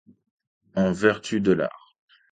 En vertu de l’art.